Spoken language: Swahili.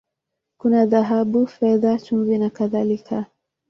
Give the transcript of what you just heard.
Kuna dhahabu, fedha, chumvi, na kadhalika.